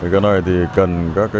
cái này thì cần các cơ quan